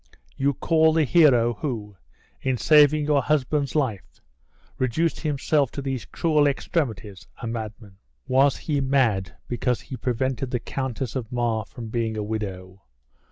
You call the hero who, in saving your husband's life, reduced himself to these cruel extremities, a madman! Was he made because he prevented the Countess of Mar from being a widow?